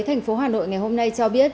thành phố hà nội ngày hôm nay cho biết